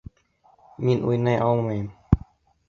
Мин уйнай алмайым!